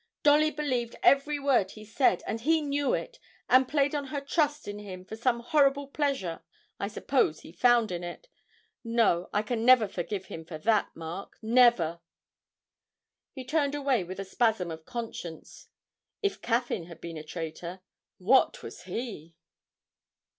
'Dolly believed every word he said, and he knew it and played on her trust in him for some horrible pleasure I suppose he found in it. No, I can never forgive him for that, Mark, never!' He turned away with a spasm of conscience. If Caffyn had been a traitor, what was he?